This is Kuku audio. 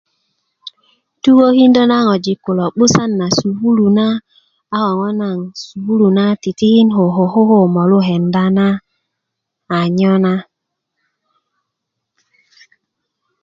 tukökindö na ŋojik kulo 'busan na sukulu na a ko ŋo' naŋ sukulu titikin koko ko koko molu kenda na a nyo na